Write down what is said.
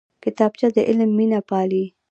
کتابچه د علم مینه پالي